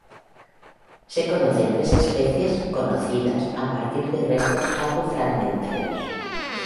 Se conocen tres especies, conocidas a partir de restos algo fragmentarios.